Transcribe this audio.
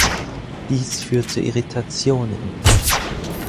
Dies führt zu Irritationen.